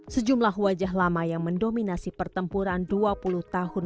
sejumlah wajah lama yang mendominasi pertempuran dua puluh tahun